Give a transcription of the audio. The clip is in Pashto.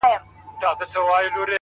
اوس پر ما لري-